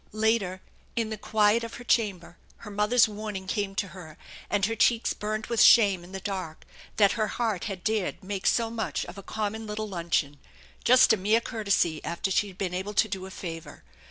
Later, in the quiet of her chamber, her mother's warning came to her, and her cheeks burned with shame in the dark 198 THE ENCHANTED BARN that her heart had dared make so much of a common little luncheon, just a mere courtesy after she had been able to do a favor.